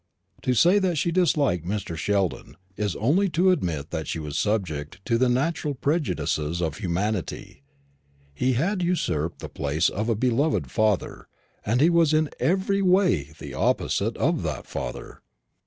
To say that she disliked Mr. Sheldon is only to admit that she was subject to the natural prejudices of humanity. He had usurped the place of a beloved father, and he was in every way the opposite of that father.